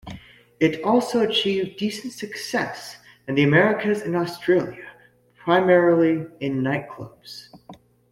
It also achieved decent success in the Americas and Australia, primarily in nightclubs.